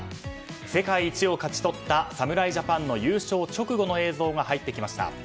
世界一を勝ち取った侍ジャパンの優勝直後の映像が入ってきました。